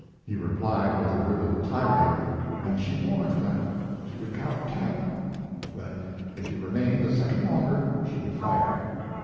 He replied with a ribald tirade, and she warned that she would count ten that if he remained a second longer she would fire.